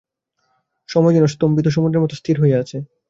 সময় যেন স্তম্ভিত সমুদ্রের মতো স্থির হইয়া আছে।